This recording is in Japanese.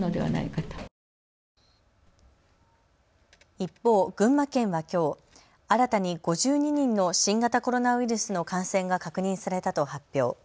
一方、群馬県はきょう新たに５２人の新型コロナウイルスの感染が確認されたと発表。